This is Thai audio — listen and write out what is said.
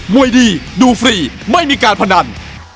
วยดีดูฟรีไม่มีการพนัน